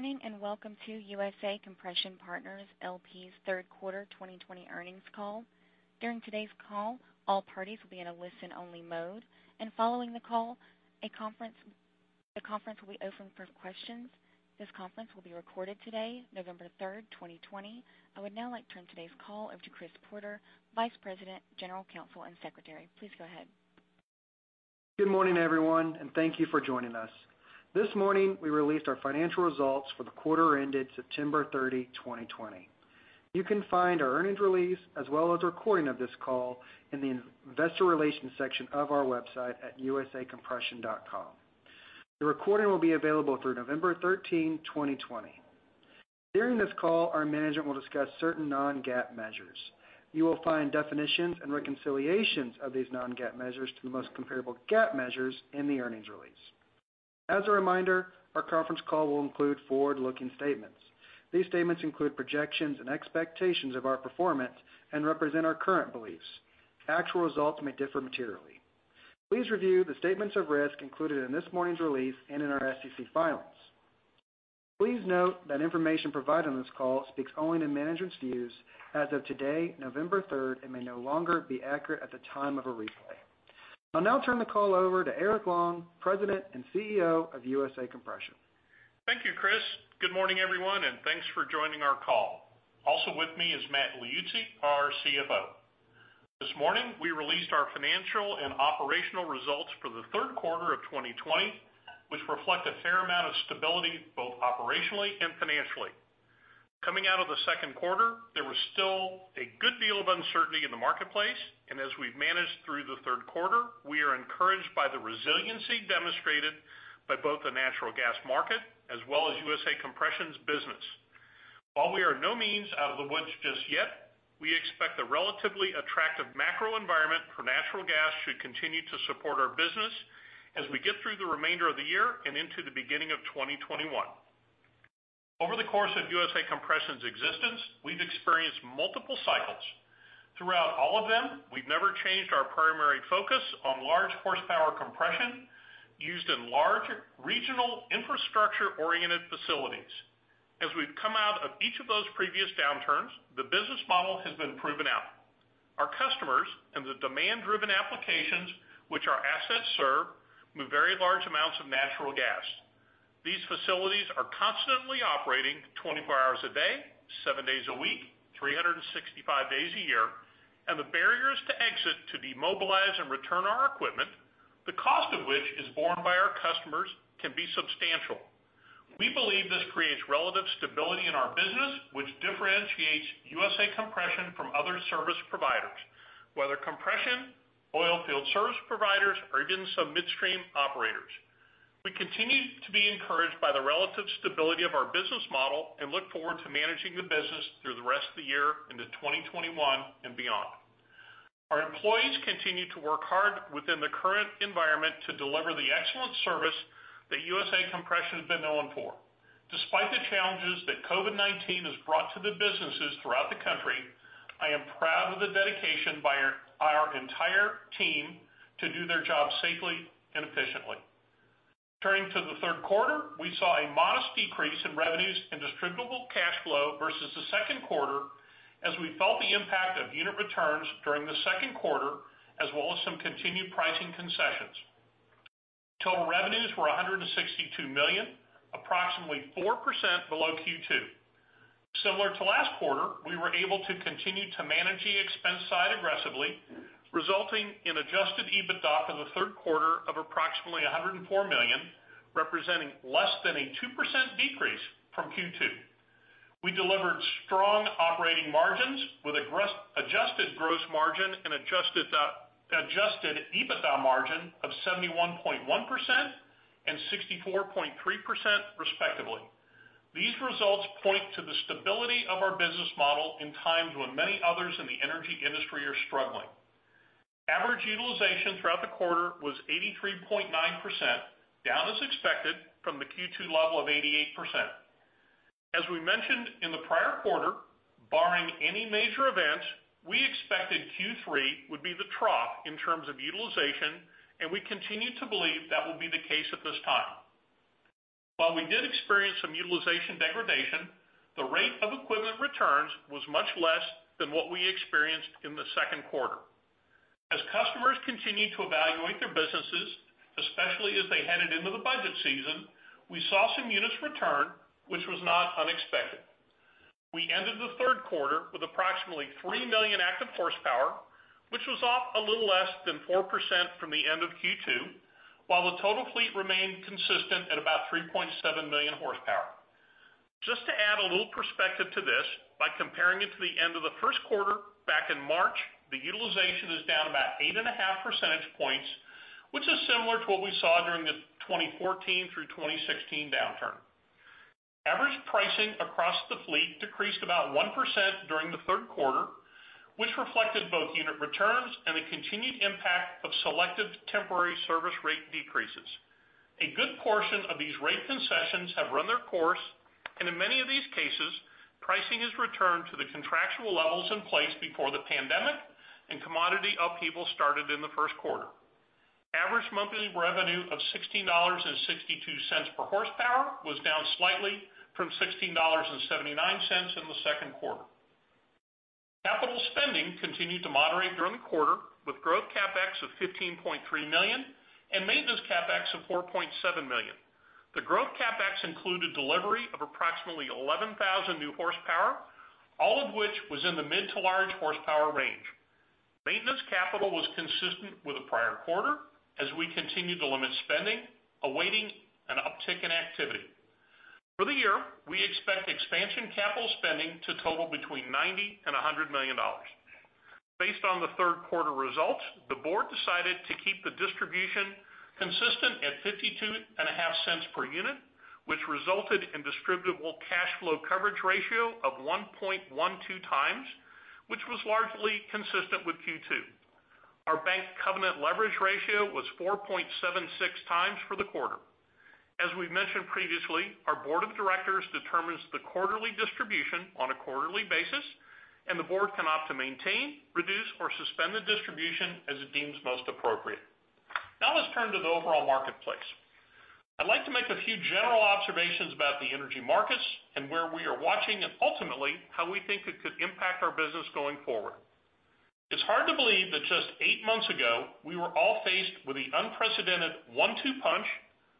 Good morning, welcome to USA Compression Partners, LP's third quarter 2020 earnings call. During today's call, all parties will be in a listen-only mode, and following the call, the conference will be open for questions. This conference will be recorded today, November 3rd, 2020. I would now like to turn today's call over to Chris Porter, Vice President, General Counsel, and Secretary. Please go ahead. Good morning, everyone, and thank you for joining us. This morning, we released our financial results for the quarter ended September 30, 2020. You can find our earnings release as well as a recording of this call in the investor relations section of our website at usacompression.com. The recording will be available through November 13, 2020. During this call, our management will discuss certain non-GAAP measures. You will find definitions and reconciliations of these non-GAAP measures to the most comparable GAAP measures in the earnings release. As a reminder, our conference call will include forward-looking statements. These statements include projections and expectations of our performance and represent our current beliefs. Actual results may differ materially. Please review the statements of risk included in this morning's release and in our SEC filings. Please note that information provided on this call speaks only to management's views as of today, November 3rd, and may no longer be accurate at the time of a replay. I'll now turn the call over to Eric Long, President and CEO of USA Compression. Thank you, Chris. Good morning, everyone, and thanks for joining our call. Also with me is Matt Liuzzi, our CFO. This morning, we released our financial and operational results for the third quarter of 2020, which reflect a fair amount of stability both operationally and financially. Coming out of the second quarter, there was still a good deal of uncertainty in the marketplace, and as we've managed through the third quarter, we are encouraged by the resiliency demonstrated by both the natural gas market as well as USA Compression's business. While we are by no means out of the woods just yet, we expect the relatively attractive macro environment for natural gas should continue to support our business as we get through the remainder of the year and into the beginning of 2021. Over the course of USA Compression's existence, we've experienced multiple cycles. Throughout all of them, we've never changed our primary focus on large horsepower compression used in large regional infrastructure-oriented facilities. As we've come out of each of those previous downturns, the business model has been proven out. Our customers and the demand-driven applications which our assets serve, move very large amounts of natural gas. These facilities are constantly operating 24 hours a day, seven days a week, 365 days a year, and the barriers to exit to demobilize and return our equipment, the cost of which is borne by our customers, can be substantial. We believe this creates relative stability in our business, which differentiates USA Compression from other service providers, whether compression, oil field service providers, or even some midstream operators. We continue to be encouraged by the relative stability of our business model and look forward to managing the business through the rest of the year into 2021 and beyond. Our employees continue to work hard within the current environment to deliver the excellent service that USA Compression has been known for. Despite the challenges that COVID-19 has brought to the businesses throughout the country, I am proud of the dedication by our entire team to do their jobs safely and efficiently. Turning to the third quarter, we saw a modest decrease in revenues and distributable cash flow versus the second quarter as we felt the impact of unit returns during the second quarter, as well as some continued pricing concessions. Total revenues were $162 million, approximately 4% below Q2. Similar to last quarter, we were able to continue to manage the expense side aggressively, resulting in adjusted EBITDA in the third quarter of approximately $104 million, representing less than a 2% decrease from Q2. We delivered strong operating margins with adjusted gross margin and adjusted EBITDA margin of 71.1% and 64.3% respectively. These results point to the stability of our business model in times when many others in the energy industry are struggling. Average utilization throughout the quarter was 83.9%, down as expected from the Q2 level of 88%. As we mentioned in the prior quarter, barring any major events, we expected Q3 would be the trough in terms of utilization, and we continue to believe that will be the case at this time. While we did experience some utilization degradation, the rate of equipment returns was much less than what we experienced in the second quarter. As customers continued to evaluate their businesses, especially as they headed into the budget season, we saw some units return, which was not unexpected. We ended the third quarter with approximately 3 million active horsepower, which was off a little less than 4% from the end of Q2, while the total fleet remained consistent at about 3.7 million horsepower. Just to add a little perspective to this, by comparing it to the end of the first quarter back in March, the utilization is down about 8.5 percentage points, which is similar to what we saw during the 2014 through 2016 downturn. Average pricing across the fleet decreased about 1% during the third quarter, which reflected both unit returns and the continued impact of selective temporary service rate decreases. A good portion of these rate concessions have run their course, and in many of these cases, pricing has returned to the contractual levels in place before the pandemic and commodity upheaval started in the first quarter. Average monthly revenue of $16.62 per horsepower was down slightly from $16.79 in the second quarter. Capital spending continued to moderate during the quarter, with growth CapEx of $15.3 million and maintenance CapEx of $4.7 million. The growth CapEx included delivery of approximately 11,000 horsepower, all of which was in the mid to large horsepower range. Maintenance capital was consistent with the prior quarter as we continued to limit spending, awaiting an uptick in activity. For the year, we expect expansion capital spending to total between $90 million and $100 million. Based on the third quarter results, the board decided to keep the distribution consistent at 52 and a half cents per unit, which resulted in distributable cash flow coverage ratio of 1.12 times, which was largely consistent with Q2. Our bank covenant leverage ratio was 4.76 times for the quarter. As we've mentioned previously, our Board of Directors determines the quarterly distribution on a quarterly basis. The board can opt to maintain, reduce, or suspend the distribution as it deems most appropriate. Now let's turn to the overall marketplace. I'd like to make a few general observations about the energy markets and where we are watching and ultimately how we think it could impact our business going forward. It's hard to believe that just eight months ago, we were all faced with the unprecedented one-two punch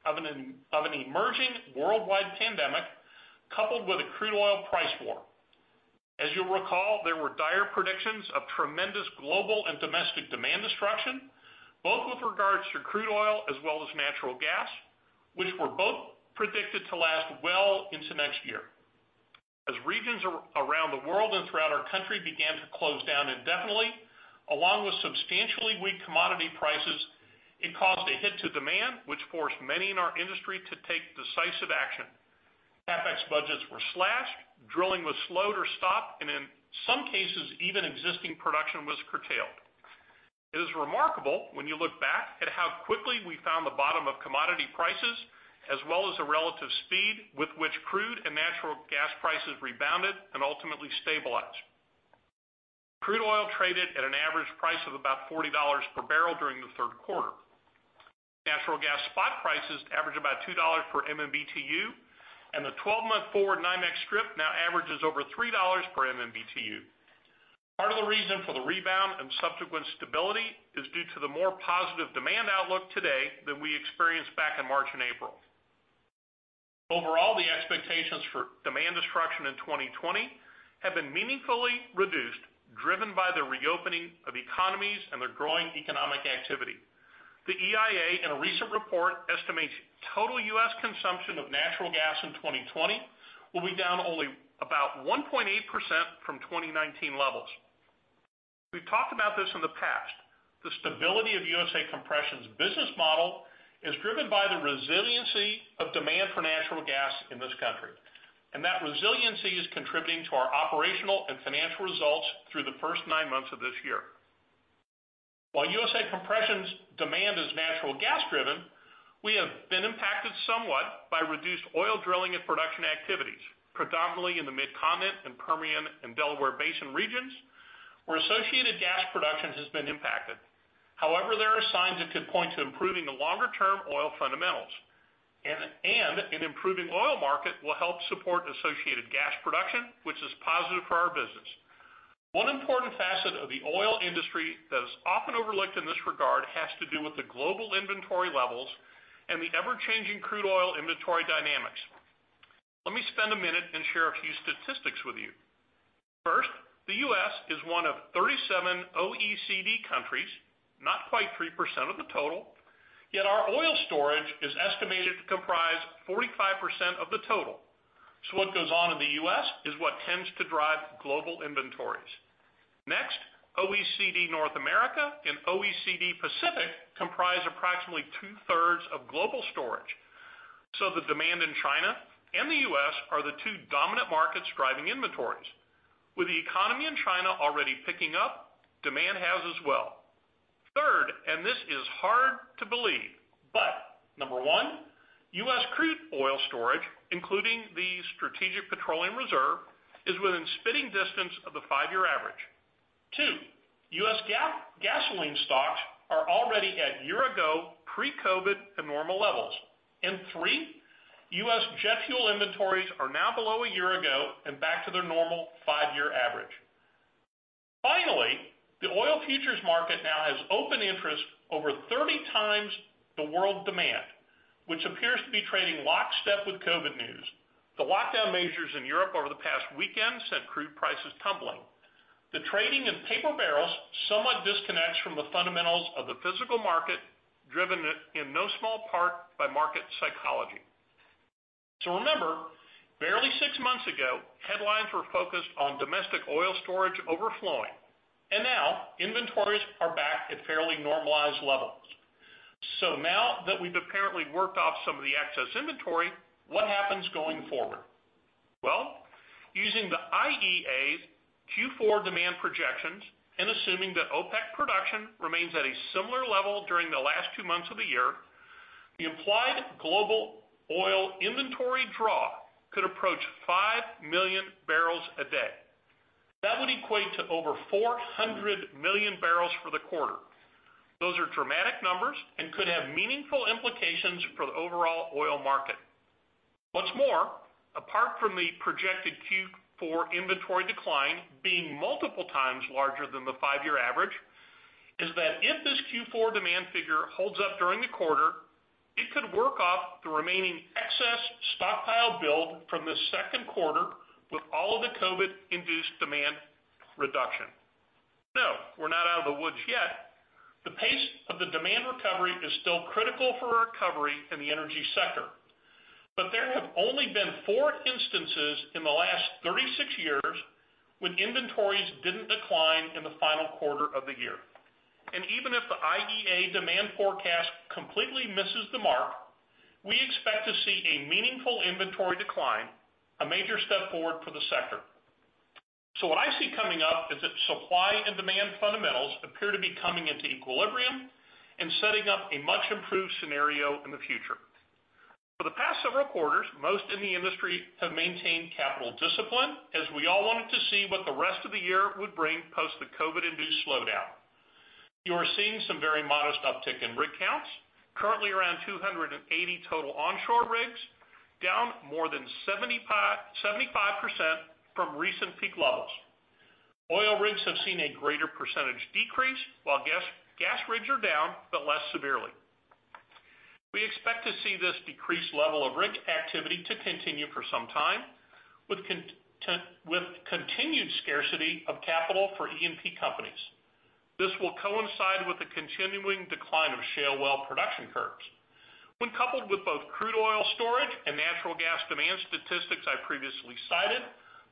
of an emerging worldwide pandemic, coupled with a crude oil price war. As you'll recall, there were dire predictions of tremendous global and domestic demand destruction, both with regards to crude oil as well as natural gas, which were both predicted to last well into next year. As regions around the world and throughout our country began to close down indefinitely, along with substantially weak commodity prices, it caused a hit to demand which forced many in our industry to take decisive action. CapEx budgets were slashed, drilling was slowed or stopped, and in some cases, even existing production was curtailed. It is remarkable when you look back at how quickly we found the bottom of commodity prices, as well as the relative speed with which crude and natural gas prices rebounded and ultimately stabilized. Crude oil traded at an average price of about $40 per barrel during the third quarter. Natural gas spot prices averaged about $2 per MMBtu, and the 12-month forward NYMEX strip now averages over $3 per MMBtu. Part of the reason for the rebound and subsequent stability is due to the more positive demand outlook today than we experienced back in March and April. Overall, the expectations for demand destruction in 2020 have been meaningfully reduced, driven by the reopening of economies and the growing economic activity. The EIA, in a recent report, estimates total U.S. consumption of natural gas in 2020 will be down only about 1.8% from 2019 levels. We've talked about this in the past. The stability of USA Compression's business model is driven by the resiliency of demand for natural gas in this country, and that resiliency is contributing to our operational and financial results through the first nine months of this year. While USA Compression's demand is natural gas-driven, we have been impacted somewhat by reduced oil drilling and production activities, predominantly in the Mid-Continent and Permian and Delaware Basin regions, where associated gas production has been impacted. However, there are signs it could point to improving the longer-term oil fundamentals. An improving oil market will help support associated gas production, which is positive for our business. One important facet of the oil industry that is often overlooked in this regard has to do with the global inventory levels and the ever-changing crude oil inventory dynamics. Let me spend a minute and share a few statistics with you. First, the U.S. is one of 37 OECD countries, not quite 3% of the total, yet our oil storage is estimated to comprise 45% of the total. What goes on in the U.S. is what tends to drive global inventories. Next, OECD North America and OECD Pacific comprise approximately 2/3 of global storage. The demand in China and the U.S. are the two dominant markets driving inventories. Third, this is hard to believe, number one, U.S. crude oil storage, including the Strategic Petroleum Reserve, is within spitting distance of the five-year average. Two, U.S. gasoline stocks are already at year-ago, pre-COVID abnormal levels. Three, U.S. jet fuel inventories are now below a year ago and back to their normal five-year average. Finally, the oil futures market now has open interest over 30x the world demand, which appears to be trading lockstep with COVID news. The lockdown measures in Europe over the past weekend sent crude prices tumbling. The trading in paper barrels somewhat disconnects from the fundamentals of the physical market, driven in no small part by market psychology. Remember, barely six months ago, headlines were focused on domestic oil storage overflowing, and now inventories are back at fairly normalized levels. Now that we've apparently worked off some of the excess inventory, what happens going forward? Well, using the IEA's Q4 demand projections and assuming that OPEC production remains at a similar level during the last two months of the year, the implied global oil inventory draw could approach 5 MMbpd, to over 400 MMbbl for the quarter. Those are dramatic numbers and could have meaningful implications for the overall oil market. What's more, apart from the projected Q4 inventory decline being multiple times larger than the five-year average, is that if this Q4 demand figure holds up during the quarter, it could work off the remaining excess stockpile build from the second quarter with all of the COVID-induced demand reduction. No, we're not out of the woods yet. The pace of the demand recovery is still critical for a recovery in the energy sector. There have only been four instances in the last 36 years when inventories didn't decline in the final quarter of the year. Even if the IEA demand forecast completely misses the mark, we expect to see a meaningful inventory decline, a major step forward for the sector. What I see coming up is that supply and demand fundamentals appear to be coming into equilibrium and setting up a much-improved scenario in the future. For the past several quarters, most in the industry have maintained capital discipline, as we all wanted to see what the rest of the year would bring post the COVID-induced slowdown. You are seeing some very modest uptick in rig counts, currently around 280 total onshore rigs, down more than 75% from recent peak levels. Oil rigs have seen a greater percentage decrease, while gas rigs are down, but less severely. We expect to see this decreased level of rig activity to continue for some time, with continued scarcity of capital for E&P companies. This will coincide with the continuing decline of shale well production curves. When coupled with both crude oil storage and natural gas demand statistics I previously cited,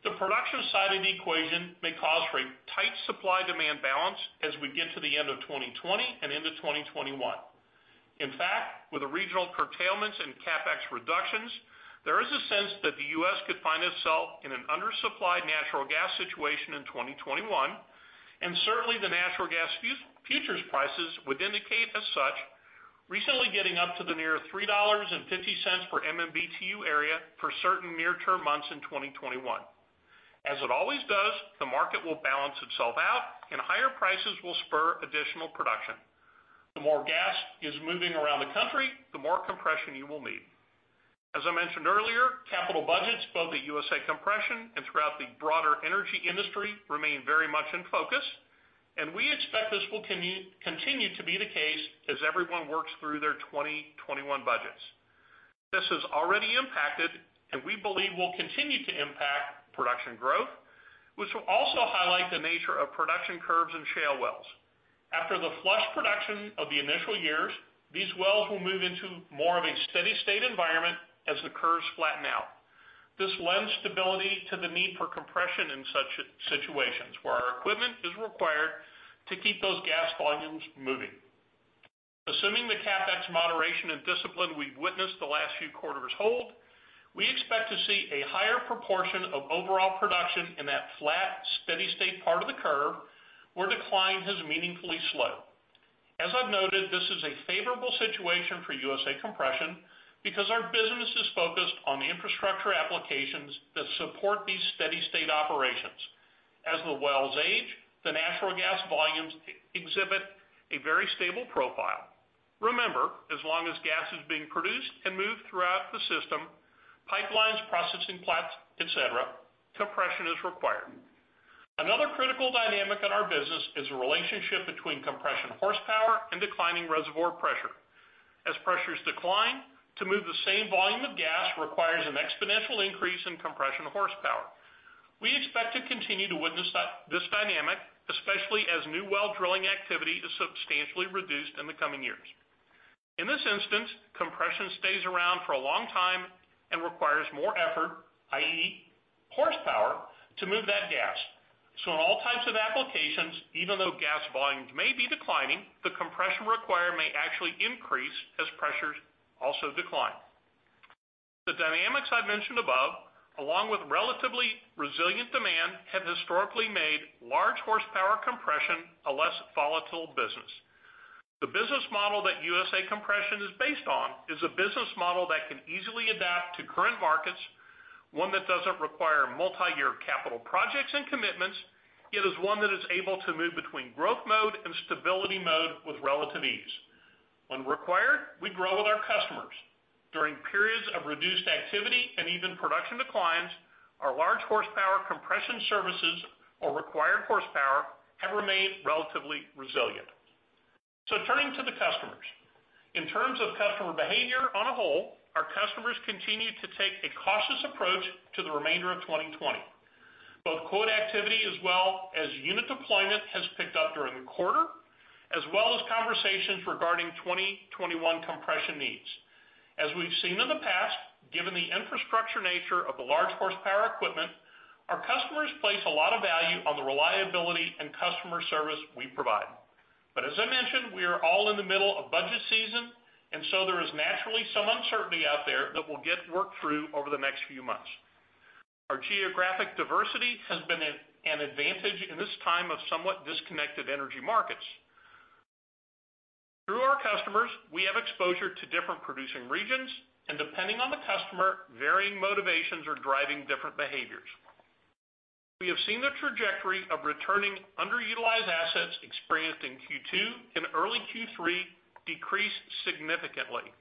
the production side of the equation may cause for a tight supply-demand balance as we get to the end of 2020 and into 2021. In fact, with the regional curtailments and CapEx reductions, there is a sense that the U.S. could find itself in an undersupplied natural gas situation in 2021, and certainly the natural gas futures prices would indicate as such, recently getting up to the near $3.50 per MMBtu area for certain near-term months in 2021. As it always does, the market will balance itself out and higher prices will spur additional production. The more gas is moving around the country, the more compression you will need. As I mentioned earlier, capital budgets, both at USA Compression and throughout the broader energy industry, remain very much in focus, and we expect this will continue to be the case as everyone works through their 2021 budgets. This has already impacted, and we believe will continue to impact, production growth, which will also highlight the nature of production curves in shale wells. After the flush production of the initial years, these wells will move into more of a steady state environment as the curves flatten out. This lends stability to the need for compression in such situations, where our equipment is required to keep those gas volumes moving. Assuming the CapEx moderation and discipline we've witnessed the last few quarters hold, we expect to see a higher proportion of overall production in that flat, steady state part of the curve, where decline has meaningfully slowed. As I've noted, this is a favorable situation for USA Compression because our business is focused on the infrastructure applications that support these steady state operations. As the wells age, the natural gas volumes exhibit a very stable profile. Remember, as long as gas is being produced and moved throughout the system, pipelines, processing plants, et cetera, compression is required. Another critical dynamic in our business is the relationship between compression horsepower and declining reservoir pressure. As pressures decline, to move the same volume of gas requires an exponential increase in compression horsepower. We expect to continue to witness this dynamic, especially as new well drilling activity is substantially reduced in the coming years. In this instance, compression stays around for a long time and requires more effort, i.e., horsepower, to move that gas. In all types of applications, even though gas volumes may be declining, the compression required may actually increase as pressures also decline. The dynamics I've mentioned above, along with relatively resilient demand, have historically made large horsepower compression a less volatile business. The business model that USA Compression is based on is a business model that can easily adapt to current markets, one that doesn't require multi-year capital projects and commitments. It is one that is able to move between growth mode and stability mode with relative ease. When required, we grow with our customers. During periods of reduced activity and even production declines, our large horsepower compression services or required horsepower have remained relatively resilient. Turning to the customers. In terms of customer behavior on a whole, our customers continue to take a cautious approach to the remainder of 2020. Both quote activity as well as unit deployment has picked up during the quarter, as well as conversations regarding 2021 compression needs. As we've seen in the past, given the infrastructure nature of the large horsepower equipment, our customers place a lot of value on the reliability and customer service we provide. As I mentioned, we are all in the middle of budget season, and so there is naturally some uncertainty out there that we'll get worked through over the next few months. Our geographic diversity has been an advantage in this time of somewhat disconnected energy markets. Through our customers, we have exposure to different producing regions, and depending on the customer, varying motivations are driving different behaviors. We have seen the trajectory of returning underutilized assets experienced in Q2 and early Q3 decrease significantly.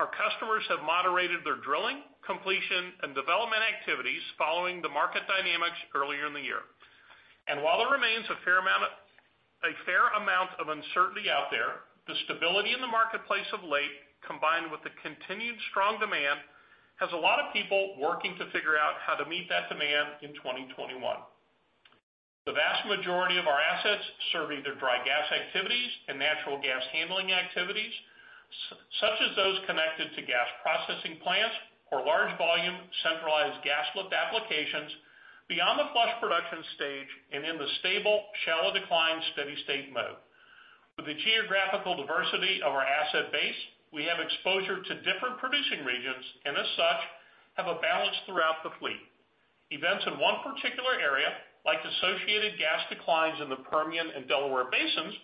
Our customers have moderated their drilling, completion, and development activities following the market dynamics earlier in the year. While there remains a fair amount of uncertainty out there, the stability in the marketplace of late, combined with the continued strong demand, has a lot of people working to figure out how to meet that demand in 2021. The vast majority of our assets serve either dry gas activities and natural gas handling activities, such as those connected to gas processing plants or large volume centralized gas lift applications beyond the flush production stage and in the stable shallow decline steady state mode. With the geographical diversity of our asset base, we have exposure to different producing regions, and as such, have a balance throughout the fleet. Events in one particular area, like associated gas declines in the Permian and Delaware basins,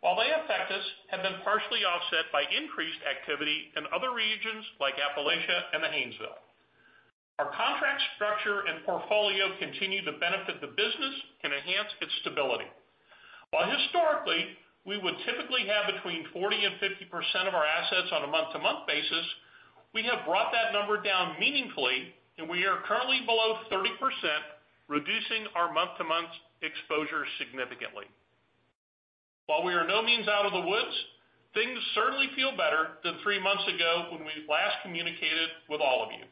while they affect us, have been partially offset by increased activity in other regions like Appalachia and the Haynesville. Our contract structure and portfolio continue to benefit the business and enhance its stability. While historically, we would typically have between 40% and 50% of our assets on a month-to-month basis, we have brought that number down meaningfully, and we are currently below 30%, reducing our month-to-month exposure significantly. While we are by no means out of the woods, things certainly feel better than three months ago when we last communicated with all of you.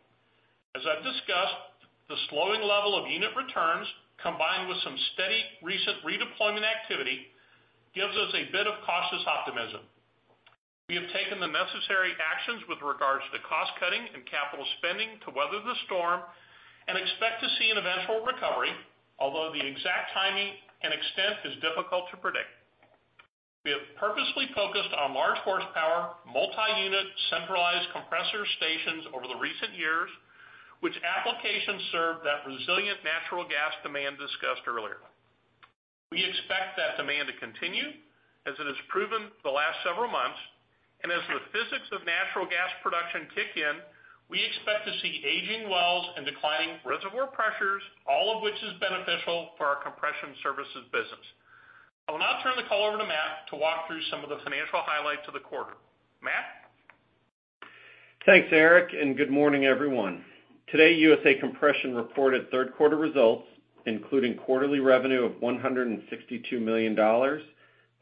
As I've discussed, the slowing level of unit returns, combined with some steady recent redeployment activity, gives us a bit of cautious optimism. We have taken the necessary actions with regards to cost-cutting and capital spending to weather the storm and expect to see an eventual recovery, although the exact timing and extent is difficult to predict. We have purposely focused on large horsepower, multi-unit, centralized compressor stations over the recent years, which applications serve that resilient natural gas demand discussed earlier. We expect that demand to continue, as it has proven the last several months. As the physics of natural gas production kick in, we expect to see aging wells and declining reservoir pressures, all of which is beneficial for our compression services business. I will now turn the call over to Matt to walk through some of the financial highlights of the quarter. Matt? Thanks, Eric, and good morning, everyone. Today, USA Compression reported third quarter results, including quarterly revenue of $162 million,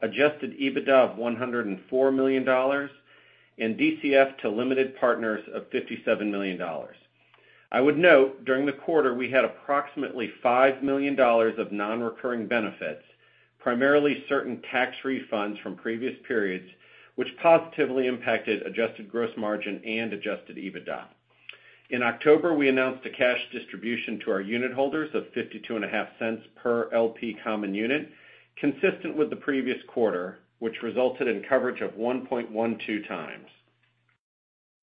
adjusted EBITDA of $104 million, and DCF to limited partners of $57 million. I would note, during the quarter, we had approximately $5 million of non-recurring benefits, primarily certain tax refunds from previous periods, which positively impacted adjusted gross margin and adjusted EBITDA. In October, we announced a cash distribution to our unit holders of $0.525 per LP common unit, consistent with the previous quarter, which resulted in coverage of 1.12x.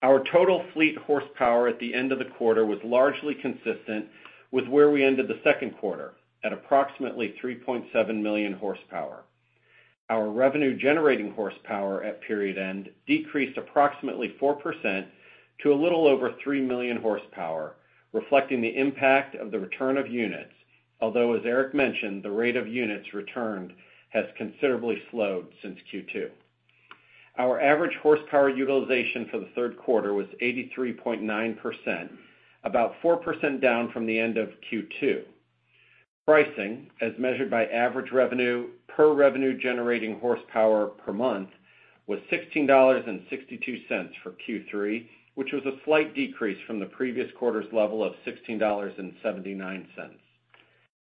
Our total fleet horsepower at the end of the quarter was largely consistent with where we ended the second quarter, at approximately 3.7 million horsepower. Our revenue-generating horsepower at period end decreased approximately 4% to a little over 3 million horsepower, reflecting the impact of the return of units. Although, as Eric mentioned, the rate of units returned has considerably slowed since Q2. Our average horsepower utilization for the third quarter was 83.9%, about 4% down from the end of Q2. Pricing, as measured by average revenue per revenue-generating horsepower per month, was $16.62 for Q3, which was a slight decrease from the previous quarter's level of $16.79.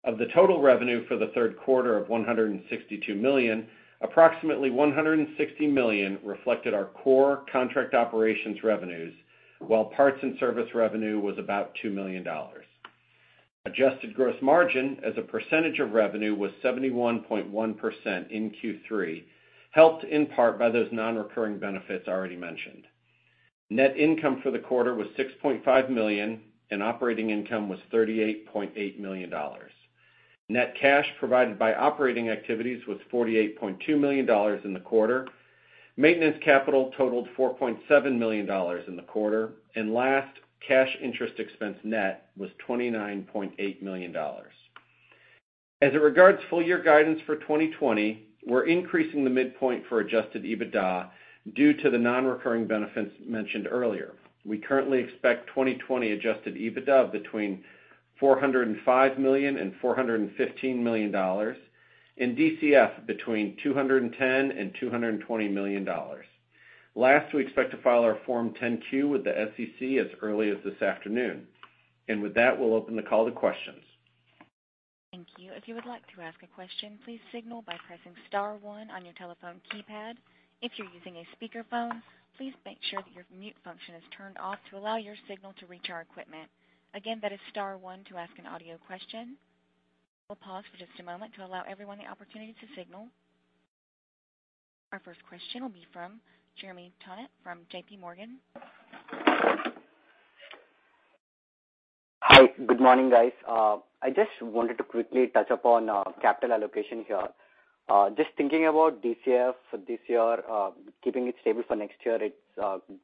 Of the total revenue for the third quarter of $162 million, approximately $160 million reflected our core contract operations revenues, while parts and service revenue was about $2 million. Adjusted gross margin as a percentage of revenue was 71.1% in Q3, helped in part by those non-recurring benefits already mentioned. Net income for the quarter was $6.5 million, and operating income was $38.8 million. Net cash provided by operating activities was $48.2 million in the quarter. Maintenance capital totaled $4.7 million in the quarter. Last, cash interest expense net was $29.8 million. As it regards full-year guidance for 2020, we're increasing the midpoint for adjusted EBITDA due to the non-recurring benefits mentioned earlier. We currently expect 2020 adjusted EBITDA of between $405 million and $415 million, and DCF between $210 million and $220 million. Last, we expect to file our Form 10-Q with the SEC as early as this afternoon. With that, we'll open the call to questions. Thank you. If you would like to ask a question, please signal by pressing star one on your telephone keypad. If you're using a speakerphone, please make sure that your mute function is turned off to allow your signal to reach our equipment. Again, that is star one to ask an audio question. We will pause for just a moment to allow everyone the opportunity to signal. Our first question will be from Jeremy Tonet from JPMorgan. Hey, good morning, guys. I just wanted to quickly touch upon capital allocation here. Just thinking about DCF this year, keeping it stable for next year, its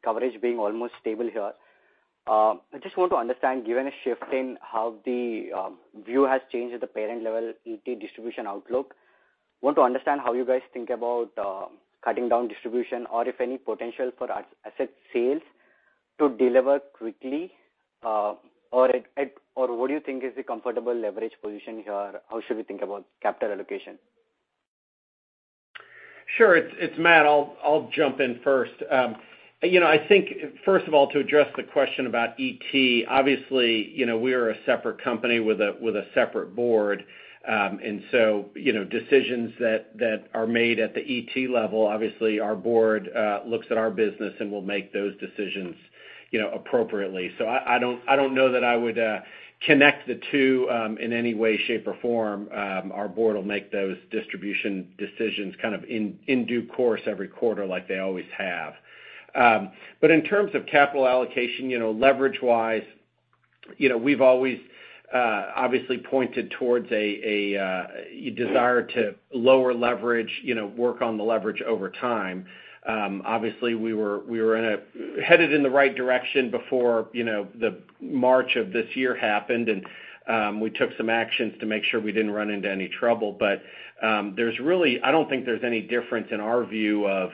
coverage being almost stable here. I just want to understand, given a shift in how the view has changed at the parent level, ET distribution outlook. I want to understand how you guys think about cutting down distribution or if any potential for asset sales to delever quickly. What do you think is the comfortable leverage position here? How should we think about capital allocation? Sure. It's Matt. I'll jump in first. I think, first of all, to address the question about ET, obviously, we are a separate company with a separate board. Decisions that are made at the ET level, obviously, our board looks at our business and will make those decisions appropriately. I don't know that I would connect the two in any way, shape, or form. Our board will make those distribution decisions kind of in due course every quarter like they always have. In terms of capital allocation, leverage wise, we've always obviously pointed towards a desire to lower leverage, work on the leverage over time. Obviously, we were headed in the right direction before the March of this year happened, and we took some actions to make sure we didn't run into any trouble. I don't think there's any difference in our view of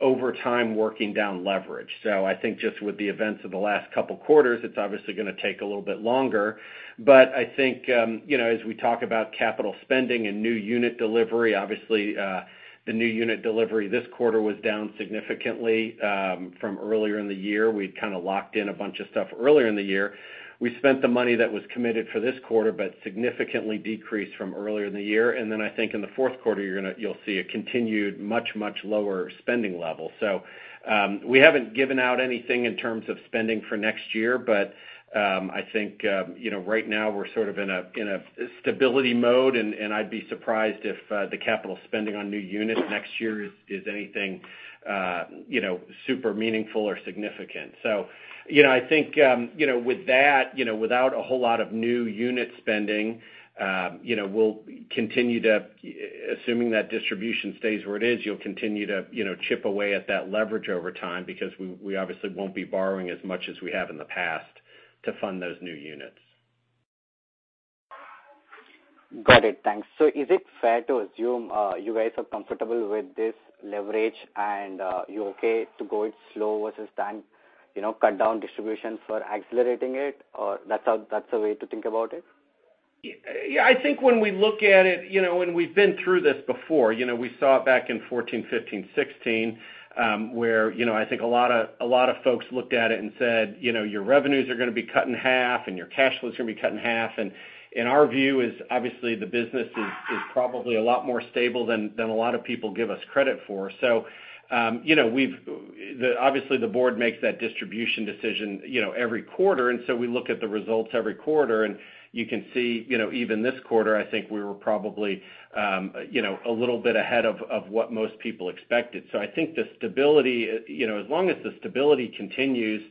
over time working down leverage. I think just with the events of the last couple of quarters, it's obviously going to take a little bit longer. I think, as we talk about capital spending and new unit delivery, obviously, the new unit delivery this quarter was down significantly from earlier in the year. We'd kind of locked in a bunch of stuff earlier in the year. We spent the money that was committed for this quarter, but significantly decreased from earlier in the year. Then I think in the fourth quarter, you'll see a continued much, much lower spending level. We haven't given out anything in terms of spending for next year, but, I think, right now we're sort of in a stability mode, and I'd be surprised if the capital spending on new units next year is anything super meaningful or significant. I think with that, without a whole lot of new unit spending, we'll continue to, assuming that distribution stays where it is, you'll continue to chip away at that leverage over time because we obviously won't be borrowing as much as we have in the past to fund those new units. Got it. Thanks. Is it fair to assume you guys are comfortable with this leverage and you're okay to go it slow versus then cut down distribution for accelerating it? That's a way to think about it? Yeah, I think when we look at it, we've been through this before. We saw it back in 2014, 2015, 2016, where I think a lot of folks looked at it and said, Your revenues are going to be cut in half and your cash flow is going to be cut in half. Our view is, obviously, the business is probably a lot more stable than a lot of people give us credit for. Obviously the board makes that distribution decision every quarter, and so we look at the results every quarter. You can see, even this quarter, I think we were probably a little bit ahead of what most people expected. I think as long as the stability continues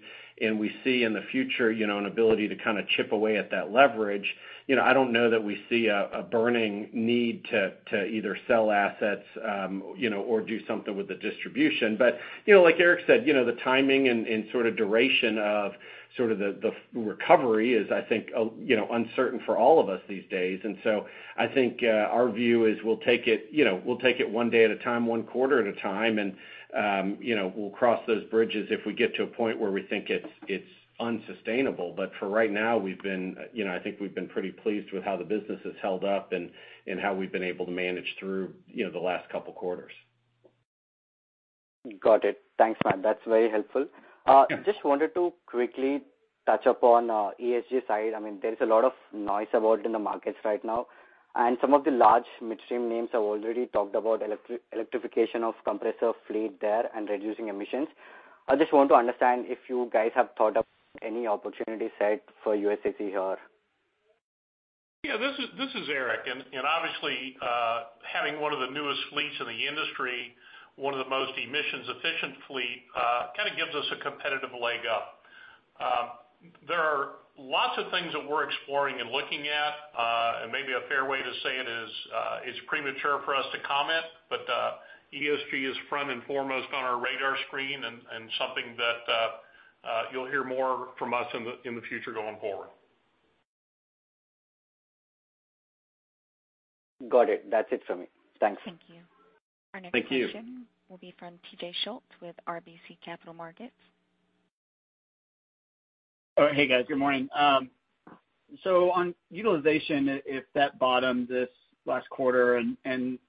and we see in the future an ability to kind of chip away at that leverage, I don't know that we see a burning need to either sell assets or do something with the distribution. Like Eric said, the timing and sort of duration of the recovery is, I think, uncertain for all of us these days. I think our view is we'll take it one day at a time, one quarter at a time, and we'll cross those bridges if we get to a point where we think it's unsustainable. For right now, I think we've been pretty pleased with how the business has held up and how we've been able to manage through the last couple of quarters. Got it. Thanks, Matt. That's very helpful. Yeah. Just wanted to quickly touch upon ESG side. There is a lot of noise about in the markets right now, and some of the large midstream names have already talked about electrification of compressor fleet there and reducing emissions. I just want to understand if you guys have thought of any opportunity set for USAC here. Yeah, this is Eric. Obviously, having one of the newest fleets in the industry, one of the most emissions efficient fleet, kind of gives us a competitive leg up. There are lots of things that we're exploring and looking at. Maybe a fair way to say it is, it's premature for us to comment, but ESG is front and foremost on our radar screen and something that you'll hear more from us in the future going forward. Got it. That's it for me. Thanks. Thank you. Thank you. Our next question will be from T.J. Schultz with RBC Capital Markets. Hey, guys. Good morning. On utilization, if that bottomed this last quarter, and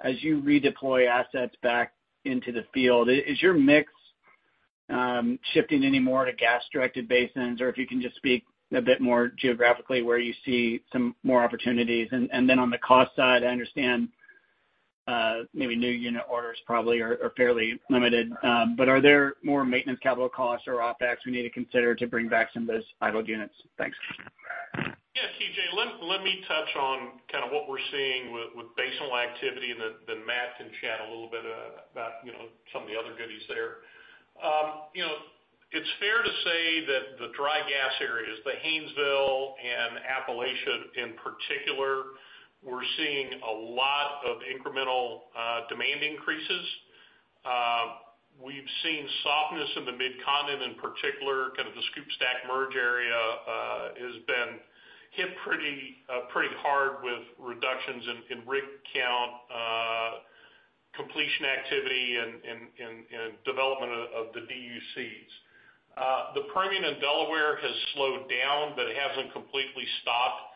as you redeploy assets back into the field, is your mix shifting any more to gas-directed basins? If you can just speak a bit more geographically where you see some more opportunities. On the cost side, I understand maybe new unit orders probably are fairly limited. Are there more maintenance capital costs or OpEx we need to consider to bring back some of those idled units? Thanks. Yes T.J. Hey, let me touch on what we're seeing with basinal activity, then Matt can chat a little bit about some of the other goodies there. It's fair to say that the dry gas areas, the Haynesville and Appalachia in particular, we're seeing a lot of incremental demand increases. We've seen softness in the Mid-Continent in particular, kind of the SCOOP/STACK Merge area has been hit pretty hard with reductions in rig count, completion activity, and development of the DUCs. The Permian and Delaware has slowed down, but it hasn't completely stopped.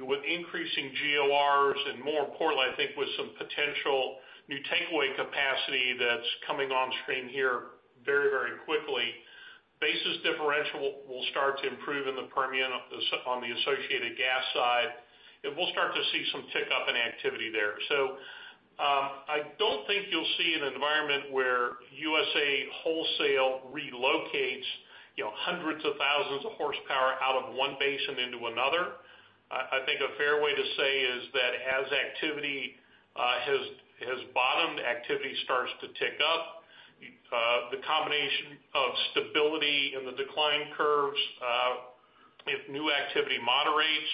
With increasing GORs and more importantly, I think with some potential new takeaway capacity that's coming on stream here very quickly, basis differential will start to improve in the Permian on the associated gas side. We'll start to see some tick up in activity there. I don't think you'll see an environment where USA Compression relocates hundreds of thousands of horsepower out of one basin into another. I think a fair way to say is that as bottomed activity starts to tick up, the combination of stability in the decline curves, if new activity moderates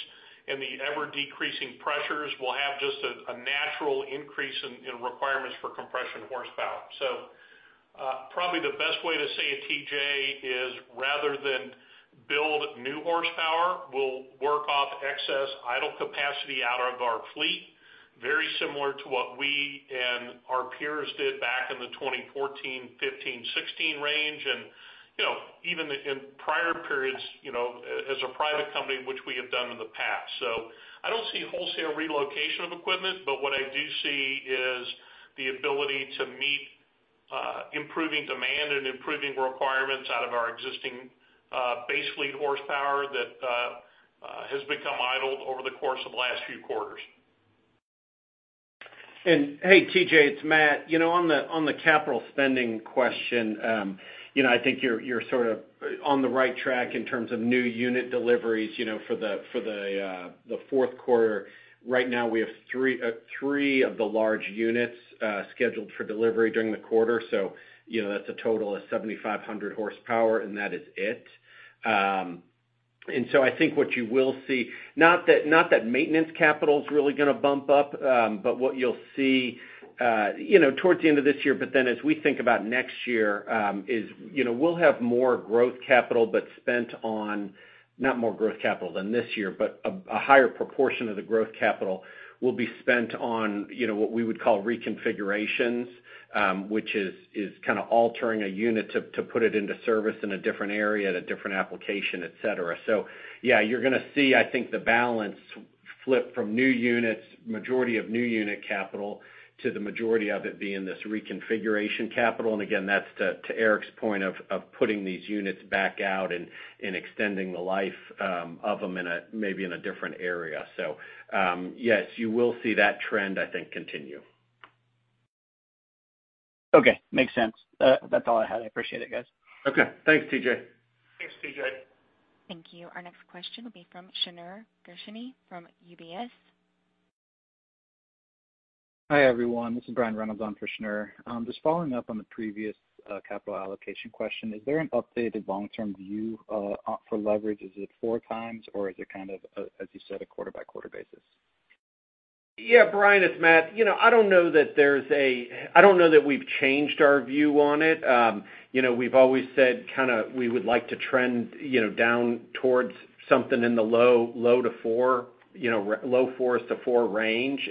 and the ever-decreasing pressures will have just a natural increase in requirements for compression horsepower. Probably the best way to say it, T.J., is rather than build new horsepower, we'll work off excess idle capacity out of our fleet, very similar to what we and our peers did back in the 2014, 2015, 2016 range. Even in prior periods, as a private company, which we have done in the past. I don't see wholesale relocation of equipment, but what I do see is the ability to meet improving demand and improving requirements out of our existing base fleet horsepower that has become idled over the course of the last few quarters. Hey, T.J., it's Matt. On the capital spending question, I think you're sort of on the right track in terms of new unit deliveries for the fourth quarter. Right now, we have three of the large units scheduled for delivery during the quarter. That's a total of 7,500 horsepower, and that is it. I think what you will see, not that maintenance capital is really going to bump up. What you'll see towards the end of this year, as we think about next year, is we'll have more growth capital, but not more growth capital than this year, but a higher proportion of the growth capital will be spent on what we would call reconfigurations. Which is kind of altering a unit to put it into service in a different area at a different application, et cetera. Yeah, you're going to see, I think, the balance flip from majority of new unit capital to the majority of it being this reconfiguration capital. Again, that's to Eric's point of putting these units back out and extending the life of them maybe in a different area. Yes, you will see that trend, I think, continue. Okay. Makes sense. That's all I had. I appreciate it, guys. Okay. Thanks, T.J. Thanks, T.J. Thank you. Our next question will be from Shneur Gershuni from UBS. Hi, everyone. This is Brian Reynolds on for Shneur. Just following up on the previous capital allocation question, is there an updated long-term view for leverage? Is it four times, or is it kind of, as you said, a quarter-by-quarter basis? Yeah, Brian, it's Matt. I don't know that we've changed our view on it. We've always said kind of, we would like to trend down towards something in the low 4 to 4 range.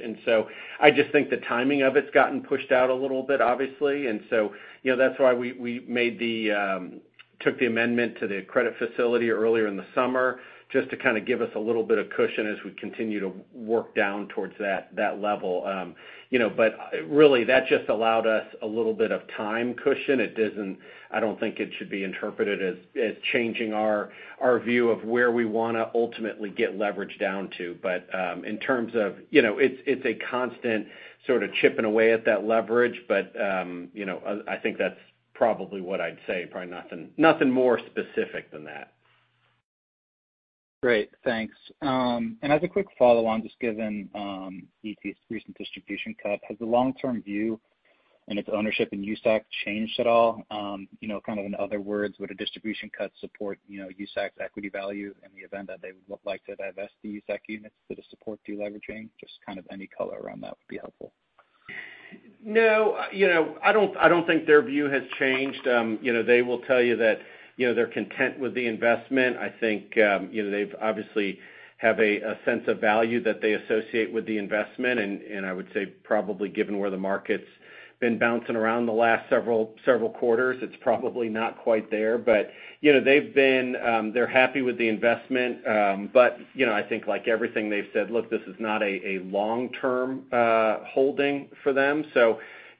I just think the timing of it's gotten pushed out a little bit, obviously. That's why we took the amendment to the credit facility earlier in the summer, just to kind of give us a little bit of cushion as we continue to work down towards that level. Really, that just allowed us a little bit of time cushion. I don't think it should be interpreted as changing our view of where we want to ultimately get leverage down to. It's a constant sort of chipping away at that leverage. I think that's probably what I'd say. Probably nothing more specific than that. Great. Thanks. As a quick follow on, just given ET's recent distribution cut, has the long-term view and its ownership in USAC changed at all? Kind of in other words, would a distribution cut support USAC's equity value in the event that they would like to divest the USAC units to support deleveraging? Just kind of any color around that would be helpful. I don't think their view has changed. They will tell you that they're content with the investment. I think they obviously have a sense of value that they associate with the investment, and I would say probably given where the market's been bouncing around the last several quarters, it's probably not quite there. They're happy with the investment. I think like everything they've said, look, this is not a long-term holding for them.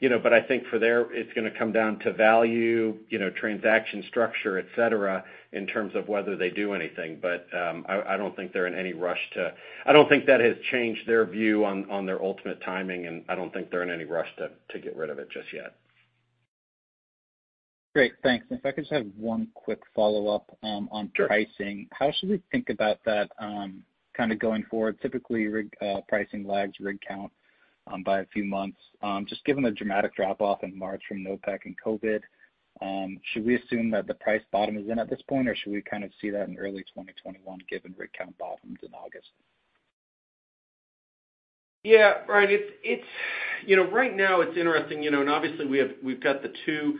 I think for there, it's going to come down to value, transaction structure, et cetera, in terms of whether they do anything. I don't think that has changed their view on their ultimate timing, and I don't think they're in any rush to get rid of it just yet. Great. Thanks. If I could just have one quick follow-up on pricing. Sure. How should we think about that going forward? Typically, rig pricing lags rig count by a few months. Just given the dramatic drop-off in March from OPEC and COVID, should we assume that the price bottom is in at this point, or should we kind of see that in early 2021 given rig count bottoms in August? Brian, right now it's interesting. Obviously we've got the two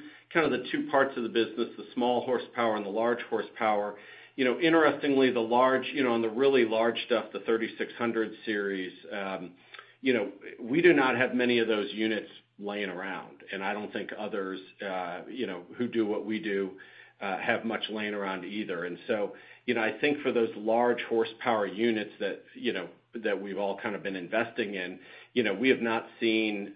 parts of the business, the small horsepower and the large horsepower. Interestingly, on the really large stuff, the 3600 series, we do not have many of those units laying around. I don't think others who do what we do have much laying around either. I think for those large horsepower units that we've all been investing in, we have not seen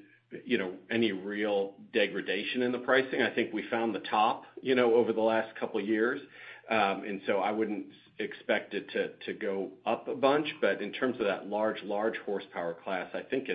any real degradation in the pricing. I think we found the top over the last couple of years. I wouldn't expect it to go up a bunch. In terms of that large horsepower class, I think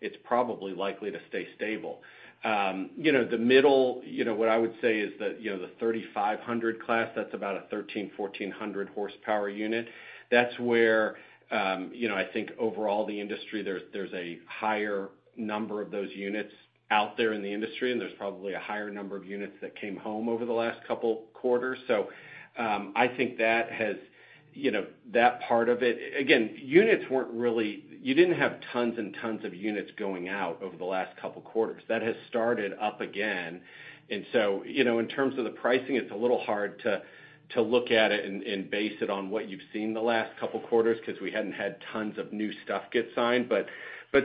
it's probably likely to stay stable. The middle, what I would say is that the 3500 class, that's about a 1,300, 1,400 horsepower unit. That's where I think overall the industry, there's a higher number of those units out there in the industry, and there's probably a higher number of units that came home over the last couple of quarters. I think that part of it again, you didn't have tons and tons of units going out over the last couple of quarters. That has started up again. In terms of the pricing, it's a little hard to look at it and base it on what you've seen the last couple of quarters because we hadn't had tons of new stuff get signed.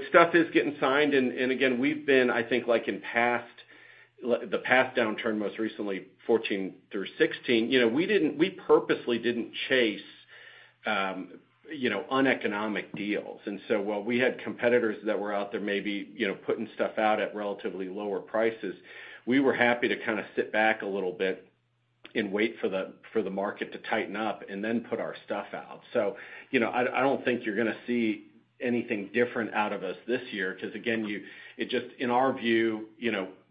Stuff is getting signed, and again, we've been, I think like in the past downturn, most recently 2014 through 2016, we purposely didn't chase uneconomic deals. While we had competitors that were out there maybe putting stuff out at relatively lower prices, we were happy to kind of sit back a little bit and wait for the market to tighten up and then put our stuff out. I don't think you're going to see anything different out of us this year because, again, in our view,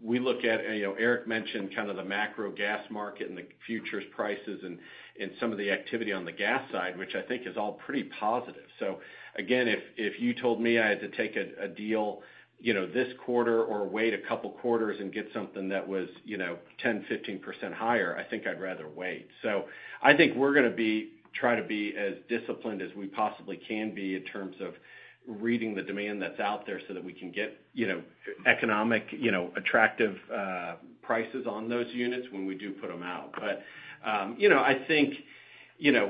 we look at, and Eric mentioned kind of the macro gas market and the futures prices and some of the activity on the gas side, which I think is all pretty positive. Again, if you told me I had to take a deal this quarter or wait a couple of quarters and get something that was 10%, 15% higher, I think I'd rather wait. I think we're going to try to be as disciplined as we possibly can be in terms of reading the demand that's out there so that we can get economic, attractive prices on those units when we do put them out. I think you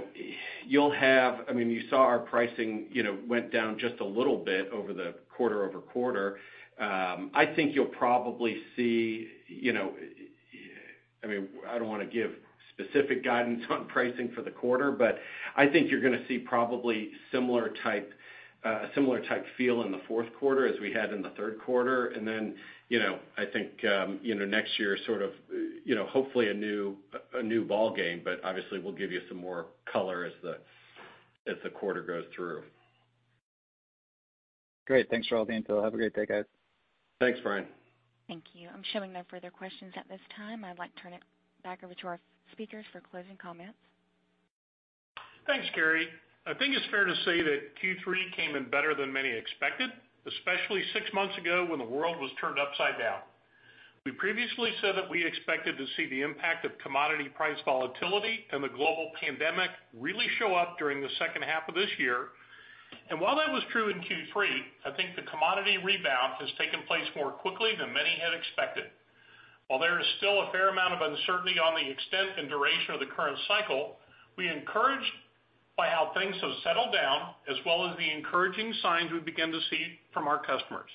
saw our pricing went down just a little bit over the quarter-over-quarter. I think you'll probably see, I don't want to give specific guidance on pricing for the quarter, but I think you're going to see probably a similar type feel in the fourth quarter as we had in the third quarter. I think next year is sort of, hopefully a new ballgame, but obviously we'll give you some more color as the quarter goes through. Great. Thanks for all the detail. Have a great day, guys. Thanks, Brian. Thank you. I'm showing no further questions at this time. I'd like to turn it back over to our speakers for closing comments. Thanks, Carrie. I think it's fair to say that Q3 came in better than many expected, especially six months ago when the world was turned upside down. We previously said that we expected to see the impact of commodity price volatility and the global pandemic really show up during the second half of this year. While that was true in Q3, I think the commodity rebound has taken place more quickly than many had expected. While there is still a fair amount of uncertainty on the extent and duration of the current cycle, we are encouraged by how things have settled down, as well as the encouraging signs we begin to see from our customers.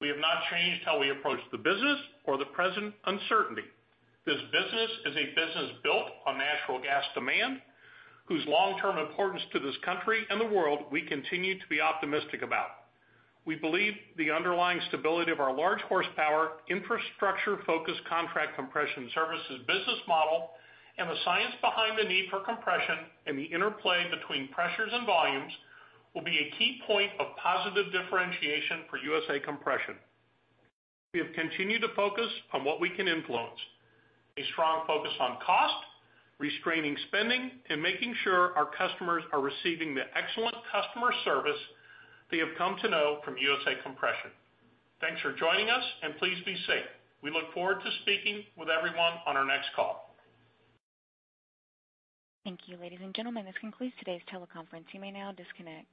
We have not changed how we approach the business or the present uncertainty. This business is a business built on natural gas demand, whose long-term importance to this country and the world we continue to be optimistic about. We believe the underlying stability of our large horsepower, infrastructure-focused contract compression services business model and the science behind the need for compression and the interplay between pressures and volumes will be a key point of positive differentiation for USA Compression. We have continued to focus on what we can influence. A strong focus on cost, restraining spending, and making sure our customers are receiving the excellent customer service they have come to know from USA Compression. Thanks for joining us, and please be safe. We look forward to speaking with everyone on our next call. Thank you. Ladies and gentlemen, this concludes today's teleconference. You may now disconnect.